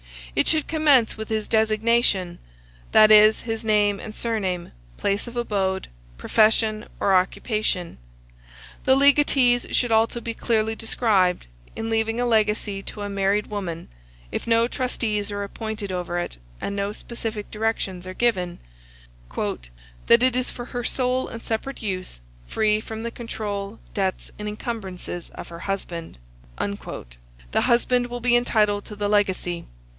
It should commence with his designation; that is, his name and surname, place of abode, profession, or occupation. The legatees should also be clearly described. In leaving a legacy to a married woman, if no trustees are appointed over it, and no specific directions given, "that it is for her sole and separate use, free from the control, debts, and incumbrances of her husband," the husband will be entitled to the legacy.